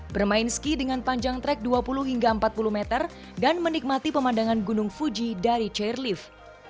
bermain ski dengan panjang trek dua puluh hingga empat puluh meter dan menikmati pemandangan gunung fuji dari chairlift